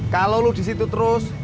kalau lu disitu terus